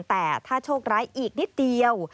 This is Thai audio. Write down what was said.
แต่ถ้าโชคร้ายอีกนิดเดียว